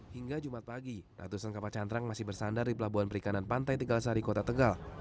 hingga jumat pagi ratusan kapal cantrang masih bersandar di pelabuhan perikanan pantai tegal sari kota tegal